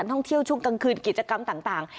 ท่องเที่ยวช่วงกลางคืนกิจกรรมต่าง